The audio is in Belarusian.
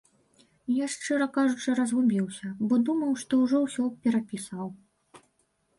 Я шчыра кажучы разгубіўся, бо думаў, што ўжо ўсё перапісаў.